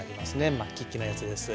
まっきっきなやつです。